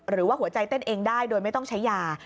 หรือว่าหัวใจเต้นเองได้โดยไม่ต้องใช้ยา